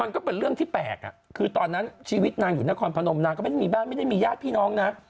มันก็เป็นเรื่องที่แปลกคือตอนนั้นชีวิตนางอยู่นครพนมนางก็ไม่ได้มีบ้านไม่ได้มีญาติพี่น้องนะ